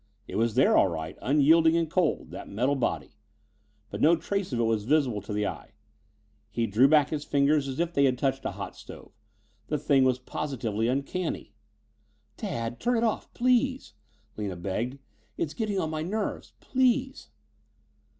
It was there all right, unyielding and cold, that metal body. But no trace of it was visible to the eye. He drew back his fingers as if they had touched a hot stove. The thing was positively uncanny. "Dad! Turn it off please," Lina begged. "It's getting on my nerves. Please!"